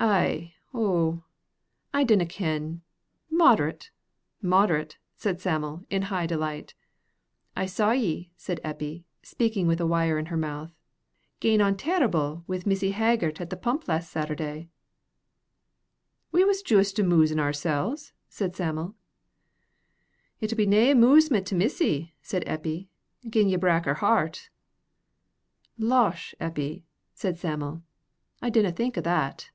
"Ay, oh, I d'na kin, moderate, moderate," said Sam'l, in high delight. "I saw ye," said Eppie, speaking with a wire in her mouth, "gaen on terr'ble wi' Mysy Haggart at the pump last Saturday." "We was juist amoosin' oorsels," said Sam'l. "It'll be nae amoosement to Mysy," said Eppie, "gin ye brak her heart." "Losh, Eppie," said Sam'l, "I didna think o' that."